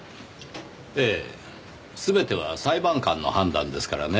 ええ全ては裁判官の判断ですからねぇ。